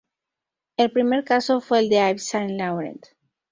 El primer caso fue el de Yves Saint Laurent.